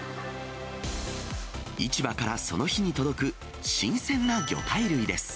市場からその日に届く新鮮な魚介類です。